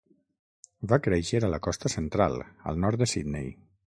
Va créixer a la Costa Central, al nord de Sydney.